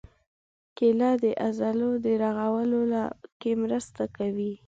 کېله د عضلو رغولو کې مرسته کوي.